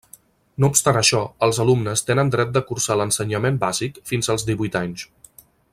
No obstant això, els alumnes tenen dret de cursar l'Ensenyament Bàsic fins als divuit anys.